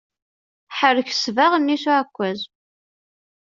Ḥerrek ssbaɣ-nni s uεekkaz!